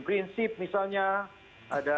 prinsip misalnya ada